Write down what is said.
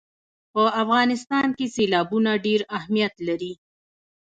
په افغانستان کې سیلابونه ډېر اهمیت لري.